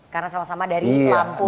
karena sama sama dari lampung